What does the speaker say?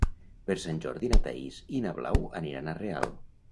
Per Sant Jordi na Thaís i na Blau aniran a Real.